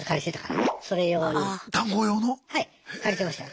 はい借りてました。